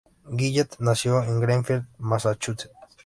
Jillette nació en Greenfield, Massachusetts.